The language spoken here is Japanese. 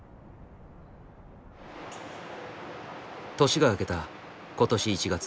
年が明けた今年１月。